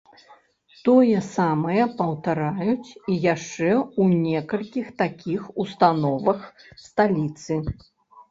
Тое самае паўтараюць і яшчэ ў некалькіх такіх установах сталіцы.